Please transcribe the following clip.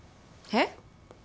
えっ？